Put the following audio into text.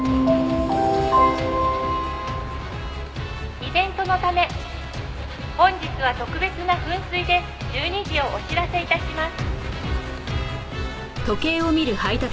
「イベントのため本日は特別な噴水で１２時をお知らせ致します」